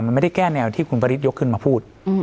มันไม่ได้แก้แนวที่คุณปริศยกขึ้นมาพูด